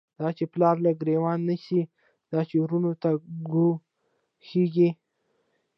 دا چی پلار له گریوان نیسی، دا چی وروڼو ته گوا ښیږی